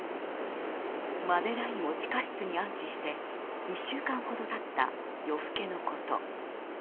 マデラインを地下室に安置して１週間ほどたった夜更けのこと。